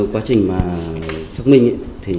quá trình xác minh